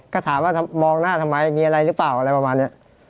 ก็ถามว่ามองหน้าทำไมมีอะไรหรือเปล่าอะไรประมาณนี้